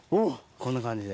こんな感じで。